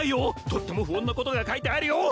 とっても不穏なことが書いてあるよ！